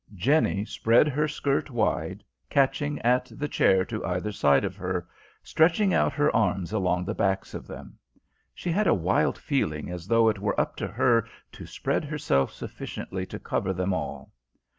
Jenny spread her skirt wide, catching at the chair to either side of her, stretching out her arms along the backs of them. She had a wild feeling as though it were up to her to spread herself sufficiently to cover them all.